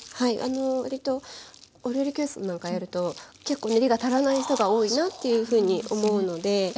わりとお料理教室なんかやると結構練りが足らない人が多いなっていうふうに思うので。